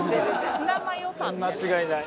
「間違いない。